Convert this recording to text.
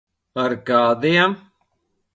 Ar kādiem?